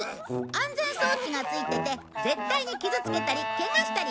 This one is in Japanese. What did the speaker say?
安全装置がついてて絶対に傷つけたりケガしたりしないから。